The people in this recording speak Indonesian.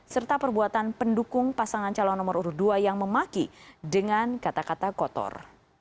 serta perbuatan pendukung pasangan calon nomor urut dua yang memaki dengan kata kata kotor